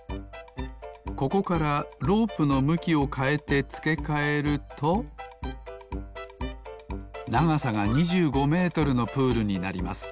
ここからロープのむきをかえてつけかえるとながさが２５メートルのプールになります